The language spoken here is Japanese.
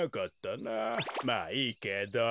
まあいいけど。